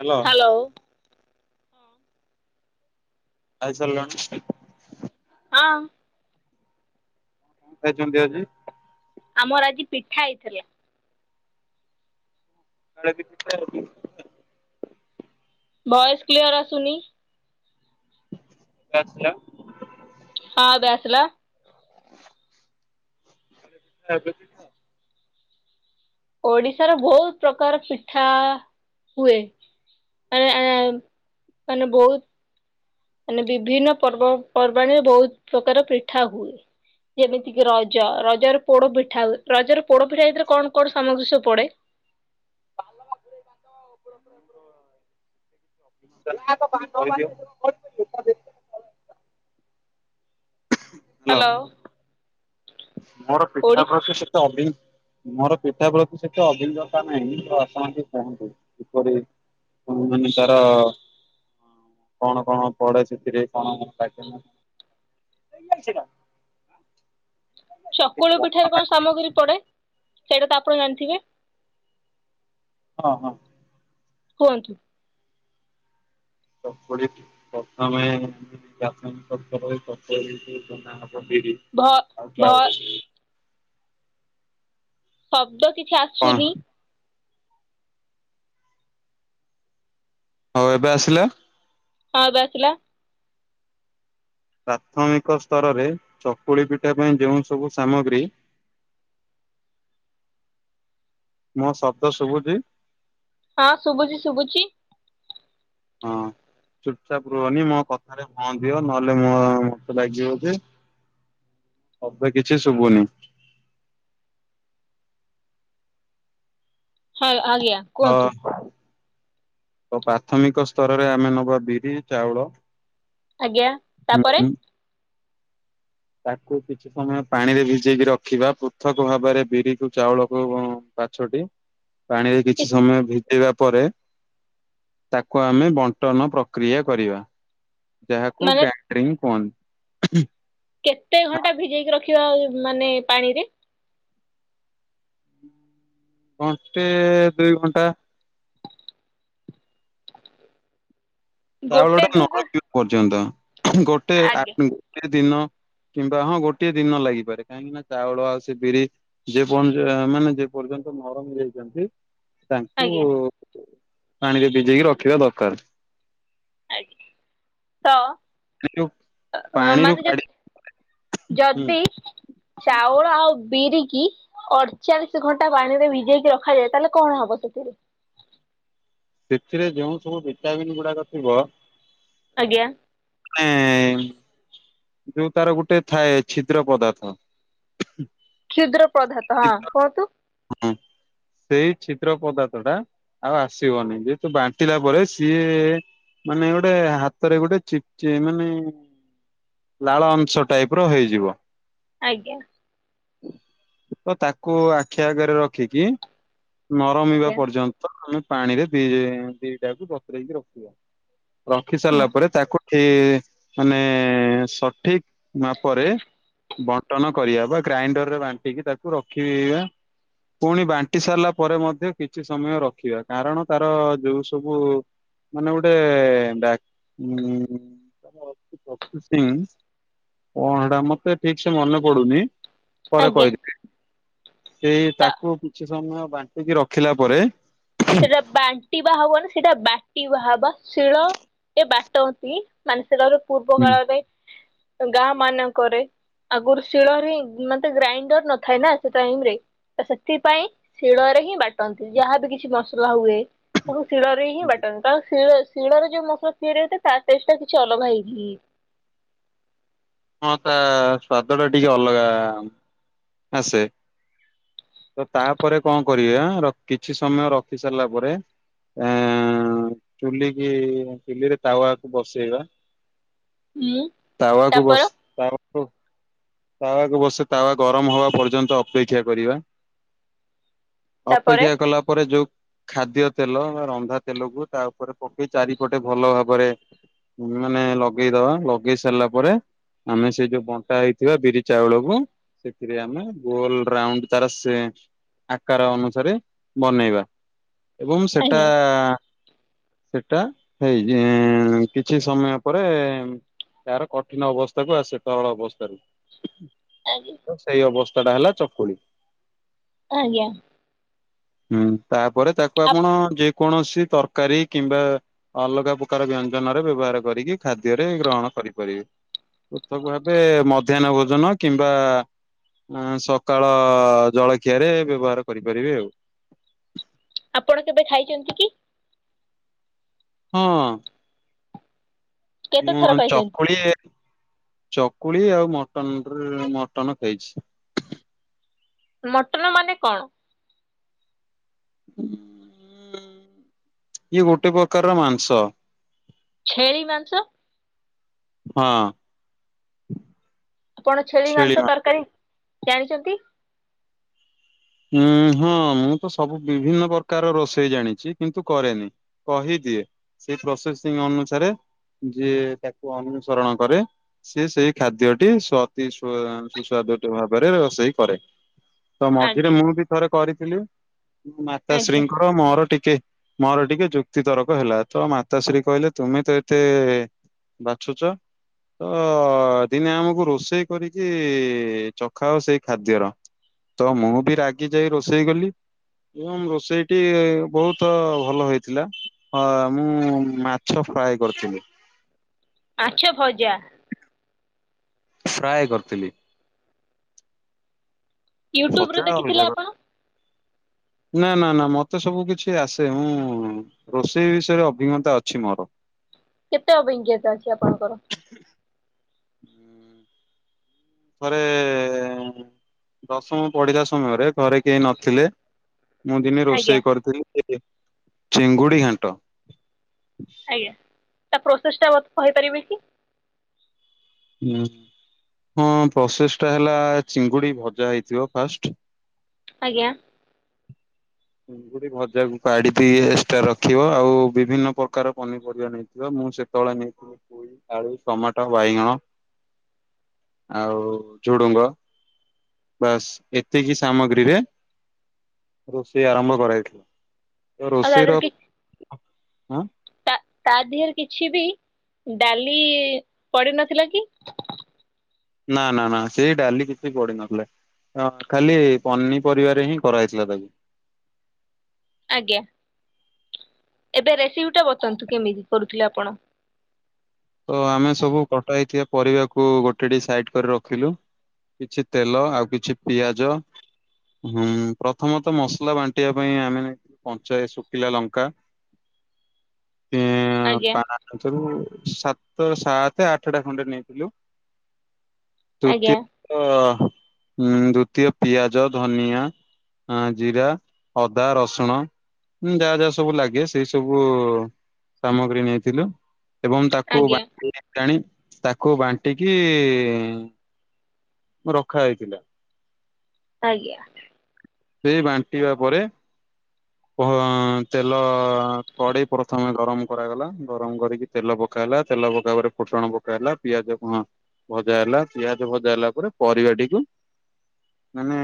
Hello hello. ଖାଇସାରିଲଣି? ହଁ। ଭାଇ କେମିତି ଅଛି। ଆମର ଆଜି ପିଠା ହେଇଥିଲା। କାକରା ପିଠା ଆଉ। ଭଏସ କ୍ଲିୟର ଆସୁନି। [unintelligible] ହଁ ଏବେ ଆସିଲା। [unintelligible] ଓଡିଶାର ବହୁତ ପ୍ରକାର ପିଠା ହୁଏ। ଏ ଏ ମାନେ ବହୁତ ମାନେ ବିଭିନ୍ନ ପର୍ବ ପର୍ବାଣିରେ ବହୁତ ପ୍ରକାର ପିଠା ହୁଏ। ଯେମିତି କିି ରଜ ରଜ ରେ ପୋଡ ପିଠା ରଜ ରେ ପୋଡ ପିଠା ଏଇଥି ରେ କଣ କଣ ସାମଗ୍ରୀ ସବୁ ପଡେ? [unintelligible] [inaudible] ହାଲୋ। ମୋର ପିଠା ପ୍ରତି ସେତେ ଅ ମୋର ପିଠା ପ୍ରତି ସେତେ ଅଭିଜ୍ଞତା ନାହିଁ ତ ଆପଣ ଟିକେ କୁହନ୍ତୁ କିପରି ହ ମାନେ ତାର ହ କଣ, କଣ ପଡେ ସେଥିରେ କଣ, କଣ? [unintelligible] ଚକୁଳୁ ପିଠାରେ କଣ ସାମଗ୍ରୀ ପଡ଼େ ସେଇଟା ତ ଆପଣ ଜାଣିଥିବେ। ହଁ, ହଁ। କୁହନ୍ତୁ। ଚକୁଳି ପ୍ରଥମେ [unintelligible] ବିରି ଭ ଆଉ ଭ। ଚାଉଳ ଶବ୍ଦ କିଛି କଣ ଆସୁନି। ହଁ ଏବେ ଆସିଲା। ହଁ ଏବେ ଆସିଲା। ପ୍ରାଥମିକ ସ୍ତରରେ ଚକୁଳି ପିଠା ପାଇଁ ଯେଉଁ ସବୁ ସାମଗ୍ରୀ ମୋ ଶବ୍ଦ ଶୁଭୁଛି। ହଁ ଶୁଭୁଚି, ଶୁଭୁଚି। ହଁ। ଚୁପଚାପ ରୁହନି, ମୋ କଥାରେ ହଁ ଦିଅ, ନହେଲେ ମୋ ମତେ ଲାଗିବ ଯେ ଅପେ କିଛି ଶୁଭୁନି। ହଁ, ଆଜ୍ଞା। ତ, କୁହନ୍ତୁ ତ ପ୍ରାଥମିକ ସ୍ତରରେ ଆମେ ନବା ବିରି, ଚାଉଳ। ଆଜ୍ଞା। ମୁଗ, ତାପରେ ତାକୁ କିଛି ସମୟ ପାଣିରେ ଭିଜେଇକି ରଖିବା, ପୃଥକ ଭାବରେ ବିରିକୁ, ଚାଉଳକୁ ଉମ୍ ପାଛୋଟି, ପାଣିରେ କିଛି ସମୟ ଭି ଜେଇବା ପରେ, ତାକୁ ଆମେ ବଣ୍ଟନ ପ୍ରକ୍ରିୟା କରିବା। ଯାହାକୁ ମାନେ ଗାଇଣ୍ଡ୍ରିଙ୍ଗ କୁହନ୍ତି। କେତେ ଘଣ୍ଟା ଭିଜେଇକି ରଖିବା ମାନେ ପାଣିରେ? ଘଣ୍ଟେ, ଦୁଇ ଘଣ୍ଟା। ଗୋଟେ ଚାଉଳଟା ନ ଦୁଇ ଘ ବତୁରିବା ପର୍ଯ୍ୟନ୍ତ। ଗୋଟେ ଆଜ୍ଞା ଆଟ୍ ଗୋଟିଏ ଦିନ କିମ୍ବା ହଁ, ଗୋଟିଏ ଦିନ ଲାଗିପାରେ। କାହିଁକିନା ଚାଉଳ ଆଉ ସେ ବିରି ଯେ ପଞ୍ଚ ମାନେ ଯେ ପର୍ଯ୍ୟନ୍ତ ନରମ ହେଇଚନ୍ତି ତାଙ୍କୁ ଆଜ୍ଞା ପାଣିରେ ଭିଜେଇକି ରଖିବା ଦରକାର। ଆଜ୍ଞା। ତ, ସେ ଯୋଉ ତ ପାଣିରୁ ମାନେ ଯଦି କାଢି ହୁଁ ଯଦି ଚାଉଳ ଆଉ ବିରିକି ଅଡଚାଳିଶ ଘଣ୍ଟା ପାଣିରେ ଭିଜେଇକି ରଖାଯାଏ, ତାହେଲେ କଣ ହବ ସେଥିରେ? ସେଥିରେ ଯେଉଁସବୁ ଭିଟାମିନ୍ ଗୁଡାକ ଥିବ ଆଜ୍ଞା। ମାନେ ଯୋଉ ତାର ଗୋଟେ ଥାଏ, ଛିଦ୍ର ପଦାର୍ଥ। କ୍ଷୁଦ୍ର ପ୍ରଧାତ, ହଁ କୁହନ୍ତୁ। ହୁଁ, ସେଇ ଛିଦ୍ର ପଦାର୍ଥଟା ଆଉ ଆସ ସିବନି। ଯେହେତୁ ବାଣ୍ଟିଲା ପରେ ସିଏ ମାନେ ଗୋଟେ ହାତରେ ଗୋଟେ ଚିପଚି ମାନେ ଲାଳ ଅଂଶ ଟାଇପର ହେଇଯିବ। ଆଜ୍ଞା। ତ ତାକୁ ଆଖି ଆଗେରେ ରଖିକି ନରମିବା ଆଜ୍ଞା ପର୍ଯ୍ୟନ୍ତ, ଆମେ ପାଣିରେ ଦିଇ ଦିଟାକୁ ବତୁରେଇକି ରଖିବା। ରଖି ସାରିଲା ପରେ, ତାକୁ ଠି ମାନେ ସଠିକ ମାପରେ ବଣ୍ଟନ କରିବା ବା ଗ୍ରାଇଣ୍ଡରରେ ବାଣ୍ଟିକି ତାକୁ ରଖିବା। ପୁଣି ବାଣ୍ଟି ସାରିଲା ପରେ ମଧ୍ୟ କିଛି ସମୟ ରଖିବା। କାରଣ ତାର ଯୋଉ ସବୁ ମାନେ ଗୋଟେ ବ୍ୟାକ୍ ଉମ୍ [unintelligible] ସିଂ କଣ ହେଇଟା ମତେ ଠିକସେ ମନେ ପଡୁନି ପରେ ଆଜ୍ଞା କହିଦେବି। ସେଇ ତାକୁ କିଛି ସମୟ ବାଣ୍ଟିକି ରଖିଲା ପରେ ସେଇଟା ବାଣ୍ଟିବା ହବନି, ସେଇଟା ବାଟିବା ହବା। ଶିଳ ଏ ବାଟନ୍ତି ମାନତିରରୁ ପୂର୍ବ କାଳରେ, ଗାଁମାନଙ୍କରେ ଆଗୁରୁ ଶିଳରେ ହିଁ ମାନେ ତ ଗ୍ରାଇଣ୍ଡର ନଥାଏ ନା, ସେ ଟାଇମରେ ତ ସେଥିପାଇଁ, ଶିଳରେ ହିଁ ବାଟନ୍ତି। ଯାହାବି କିଛି ମସ ସଲା ହୁଏ, ତାକୁ ଶିଳରେ ହିଁ ବାଟନ୍ କାରଣ ଶିଳ-ଶିଳରେ ଯୋଉ ମସଲା ତିଆରି ହୋଇଥାଏ, ତା ଟେଷ୍ଟଟା କିଛି ଅଲଗା ହେଇକି ହଁ, ତା ସ୍ଵାଦଟା ଟିକେ ଅଲଗା ଆସେ। ତ ତାପରେ କଅଁ କରିଆ, ର କିଛି ସମୟ ରଖି ସାରିଲା ପରେ ଏଁ ଚୁଲିକିି, ଚୁଲିରେ ତାୱାକୁ ବସେଇବା ହୁଁ ତାୱାକୁ ତାପରେ ବସେ ତାୱାକୁ, ତାୱାକୁ ବସେ ତାୱା ଗରମ ହବା ପର୍ଯ୍ୟନ୍ତ ଅପେକ୍ଷା କରିବା। ତାପରେ ଅପେକ୍ଷା କଲା ପରେ ଯୋଉ- ଖାଦ୍ୟ ତେଲ ବା ରନ୍ଧା ତେଲକୁ ତା ଉପରେ ପକେଇ ଚାରିପଟେ ଭଲ ଭାବରେ ଉନ୍ ମାନେ ଲଗେଇଦବା, ଲଗେଇ ସାରିଲା ପରେ ଆମେ ସେଇ ଯୋଉ ବଣ୍ଟା ହେଇଥିବା ବିରି ଚାଉଳ କୁ ସେଥିରେ ଆମେ ଗୋଲ୍ ରାଉଣ୍ଡ ତାର ସେ ଆକାର ଅନୁସାରେ ବନେଇବା। ଏବଂ ସେଟା ଆଜ୍ଞା ସେଟା ହେଇ କିଛି ସମୟ ପରେ ତାର କଠିନ ଅବସ୍ ତାକୁ ଆସେ ତଳ ଅବସ୍ତାରେ। ଆଜ୍ଞା। ସେଇ ଅବସ୍ଥା ଟା ହେଲା ଚକୁଳି। ଆଜ୍ଞା। ହୁଁ ତାପରେ ତାକୁ ଆପଣ ଯେ କୌଣସି ତରକାରୀ କିମ୍ବା- ଅଲଗା ପ୍ରକାର ବ୍ୟଞ୍ଜନରେ ବ୍ୟବହାର କରିକି ଖାଦ୍ୟରେ ଗ୍ରହଣ କରିପାରିବେ। ପୃଥକ ଭାବେ ମଧ୍ୟାହ୍ନ ଭୋଜନ କିମ୍ବା ଆ ସକାଳ ଜଳଖିଆରେ ବ୍ୟବହାର କରିପାରିବେ ଆଉ। ଆପଣ କେବେ ଖାଇଛନ୍ତି କି? ହଁ। କେତେ ମୁଁ ଥର ଖାଇଛନ୍ତି ଚକୁଳି, ଚକୁଳି ଆଉ ମଟନ ରେ ମଟନ ଖାଇଚି। ମଟନ ମାନେ କଣ? ଉଁ ଇଏ ଗୋଟେ ପ୍ରକାରର ମାଂସ। ଛେଳି ମାଂସ? ହଁ। ଆପଣ ଛେଳି ମାଂସ ତରକାରୀ ଜାଣିଚନ୍ତି? ଉଁ ହଁ ମୁଁ ତ ସବୁ ବିଭିନ୍ନ ପ୍ରକାର ରୋଷେଇ ଜାଣିଛି, କିନ୍ତୁ କରେନି। କହିଦିଏ। ସେଇ ପ୍ରୋସେସିଂ ଅନୁସାରେ ଯିଏ ତାକୁ ଅନୁସରଣ କରେ। ସିଏ ସେଇ ଖାଦ୍ୟଟି ସ୍ଵ ଅତି ସ୍ୱ ସୁସ୍ୱାଦ ଟି ଭାବରେ ରୋଷେଇ କରେ। ତ ମଝିରେ ଆଜ୍ଞା ମୁଁ ବି ଥରେ କରିଥିଲି। ମାତା ଆଜ୍ଞା ଶ୍ରୀଙ୍କର ମୋର ଟିକେ ମୋର ଟିକେ ଯୁକ୍ତି ତରକ ହେଲା। ତ ମାତାଶ୍ରୀ କହିଲେ ତୁମେ ତ ଏତେ ବାଛୁଚ ତ ଦିନେ ଆମକୁ ରୋଷେଇ କରିକି ଚଖାଅ ସେଇ ଖାଦ୍ୟର। ତ ମୁଁ ବି ରାଗି ଯାଇ ରୋଷେଇ କଲି। ଏବଂରୋଷେଇଟି ବହୁତ ଭଲ ହେଇଥିଲା। ହଁ ମୁଁ ମାଛ ଫ୍ରାଏ କରିଥିଲି। ମାଛ ଭଜା। ଫ୍ରାଏ କରିଥିଲି। ୟୁଟ୍ୟୁବ ରୁ ଭଜା ଦେଖିଥିଲେ ଅଲଗା କଥା। ଆପଣ? ନା ନା ନା ମତେ ସବୁ କିଛି ଆସେ। ମୁଁ ରୋଷେଇ ବିଷୟରେ ଅଭିଜ୍ଞତା ଅଛି ମୋର। କେତେ ଅଭିଜ୍ଞତା ଅଛି ଆପଣଙ୍କର? ଥରେ ଦଶମ ପଢିଲା ସମୟରେ, ଘରେ କେହି ନଥିଲେ। ମୁଁ ଦିନେ ଆଜ୍ଞା ରୋଷେଇ କରିଥିଲି, ଚିଙ୍ଗୁଡି ଘାଣ୍ଟ। ଆଜ୍ଞା। ତା ପ୍ରୋସେସ୍ଟା କହିପାରିବେ କି? ହୁଁ, ହଁ ପ୍ରୋସେଷ୍ଟା ହେଲା ଚିଙ୍ଗୁଡି ଭଜା ହେଇଥିବ ଫାଷ୍ଟ ଆଜ୍ଞା। ଚିଙ୍ଗୁଡ଼ି ଭଜାକୁ କାଢି ଦେଇ ଏକ୍ସଟ୍ରା ରଖିବ। ଆଉ ବିଭିନ୍ନ ପ୍ରକାର ପନିପରିବା ନେଇି ଥିବ। ମୁଁ ସେ ପଳେ ମିକ୍ସ ଆଳୁ, ଟୋମାଟ, ବାଇଙ୍ଗଣ ଆଉ ଝୁଡୁଙ୍ଗ, ବାସ୍ ଏତିକି ସାମଗ୍ରୀରେ ସେ ଆରମ୍ଭ କରା ହେଇଥିଲା। ଆଉ ତା ରୋଷେଇର ଦେହରେ କି ତା ତା ଦେହରେ କିଛି ବି ଡାଲି ପଡିିନଥିଲା କି? ନା ନା ନା ସେଇ ଡାଲି କିଛି ପଡିିନଥିଲା। ହଁ ଖାଲି ପନିପରିବାରେ ହିଁ କରାହେଇଥିଲା ତାକୁ ଆଜ୍ଞା। ଏବେ ରେସିପି ଟା ବତାନ୍ତୁ କେମିତି କରୁଥିଲେ ଆପଣ। ତ ଆମେ ସବୁ କଟା ହେଇଥିବା ପରିବାକୁ ଗୋଟେ ଡିସ୍‌ ସାଇଡ କରି ରଖିଲୁ କିଛି ତେଲ ଆଉ କିଛି ପିଆଜ ହୁଁ ପ୍ରଥମ ତ ମସଲା ବାଣ୍ଟିବା ପାଇଁ ଆମେ କଞ୍ଚାଏ ଶୁଖିଲା ଲଙ୍କା ଏଁ ଆଜ୍ଞା ପା ସାତ [unintelligible] ତୋ ସାତ ଆଠଟା ଖଣ୍ଡେ ନେଇଥିଲୁ ତୁ ଆଜ୍ଞା ତ ଉଁ ଦ୍ଵିତୀୟ ପିଆଜ ଧନିଆ ହଁ ଜିରା ଅଦା ରସୁଣ ଯାହା ଯାହା ସବୁ ଲାଗେ ସେଇ ସବୁ ସାମଗ୍ରୀ ନେଇଥିଲୁ ଏବଂ ତା କୋଉ ଆଜ୍ଞା ବାନ୍ତି ହେଲାଣି ତାକୁ ବାଣ୍ଟିକି ରଖା ହେଇଥିଲା ଆଜ୍ଞା। ସେ ବାଣ୍ଟିବା ପରେ ତେଲ କଡେଇ ପ୍ରଥମେ ଗରମ କରାଗଲା ଗରମ କରିକି ତେଲ ପକା ହେଲା ତେଲ ପକା ପରେ ଫୁଟଣ ପକା ହେଲା ପିଆଜ କଣ ଭଜା ହେଲା ପିଆଜ ଭଜା ହେଲା ପୁରା ପରିବାଟିକୁ ମାନେ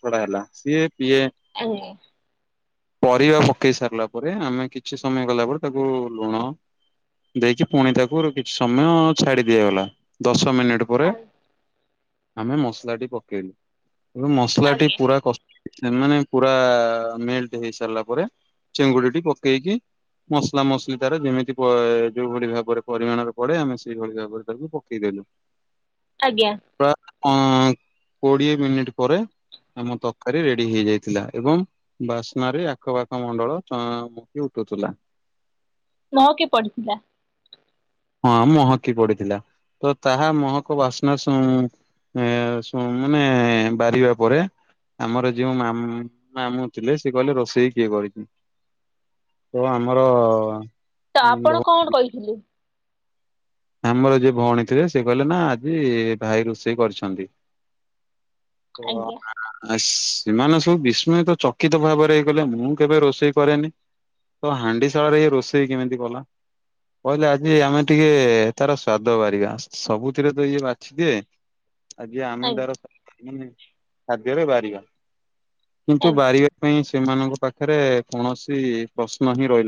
ଛଡା ହେଲା ସିଏ ପିଏ ଆଜ୍ଞା। ପରିବା ପକେଇ ସାରିଲା ପରେ ଆମେ କିଛି ସମୟ ଗଲା ପରେ ତାକୁ ଲୁଣ ଦେଇକି ପୁଣି ତାକୁ କିଛି ସମୟ ଛାଡି ଦିଆଗଲା ଦଶ ମିନିଟ ପରେ ଆଜ୍ଞା। ଆମେ ମସଲା ଟି ପକେଇଲୁ ତେଣୁ ମସଲାଟି ଆଜ୍ଞା ପୁରା କଷ୍ଟ ସେମାନେ ପୁରା ମେଲଟ ହେଇ ସାରିଲା ପରେ ଚିଙ୍ଗୁଡି ଟି ପକେଇକି ମସଲା ମସଲି ତାର ଯେମିତି ଯୋଉଭଳି ଭାବରେ ପରିମାଣରେ ପଡେ ଆମେ ସେଇଭଳି ଭାବରେ ତାକୁ ପକେଇଦେଲୁ ଆଜ୍ଞା। ପ୍ରାୟ ହଁ କୋଡ଼ିଏ ମିନିଟ ପରେ ଆମ ତରକାରୀ ରେଡି ହେଇ ଯାଇଥିଲା ଏବଂ ବାସ୍ନ ରେ ଆଖପାଖ ମଣ୍ଡଳ ଉଙ୍କି ଉଠୁଥିଲା। ମହକି ପଡିଥିଲା। ହଁ ମହକି ପଡିଥିଲା ତ ତାହା ମହକ ବାସ୍ନା ସୁ ଏଁ ସୁ ମାନେ ବାରିବା ପରେ ଆମର ଯୋଉ ମାମ ମାମୁଁ ଥିଲେ ସେଏ କହିଲେ ରୋଷେଇ କିଏ କରିଛି। ତ ଆମର ତ ଭ ଆପଣ କଣ କହିଥିଲି। ଆମର ଯିଏ ଭଉଣୀ ଥିଲେ ସେ କହିଲେ ନା ଆଜି ଭାଇ ରୋଷେଇ କରିଛନ୍ତି। ଓ ଆଜ୍ଞା ଆଁ। ସେମାନେ ସବୁ ବିସ୍ମୟ ତ ଚକିତ ଭାବରେ ହେଇଗଲେ ମୁଁ କେବେ ରୋଷେଇ କରେନି। ତ ହାଣ୍ଡି ଶାଳରେ ଏ ରୋଷେଇ କେମିତି କଲା। କହିଲେ ଆଜି ଆମେ ଟିକେ ତାର ସ୍ଵାଦ ବାରିବା ସବୁଥିରେ ତ ଇଏ ବାଛି ଦିଏ। ଆଜି ଆମେ ତାର ଆଜ୍ଞା ଖାଦ୍ୟରେ ବାରିବା କିନ୍ତୁ ଆଜ୍ଞା ବାରିବା ପାଇଁ ସେମାନଙ୍କ ପାଖରେ କୌଣସି ପ୍ରଶ୍ନ ହିଁ ରହିଲା।